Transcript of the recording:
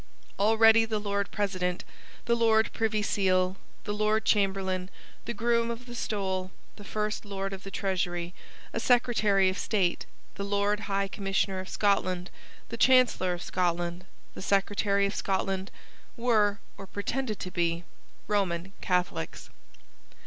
Already the Lord President, the Lord Privy Seal, the Lord Chamberlain, the Groom of the Stole, the First Lord of the Treasury, a Secretary of State, the Lord High Commissioner of Scotland, the Chancellor of Scotland, the Secretary of Scotland, were, or pretended to be, Roman Catholics.